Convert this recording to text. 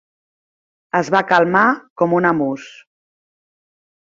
Es va calmar com una mousse.